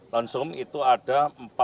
lonsum itu ada lima ratus